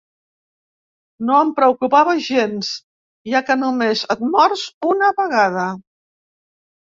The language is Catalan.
“No em preocupava gens, ja que només et mors una vegada”.